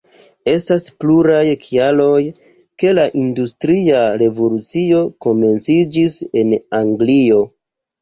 Estas pluraj kialoj, ke la industria revolucio komenciĝis en Anglio.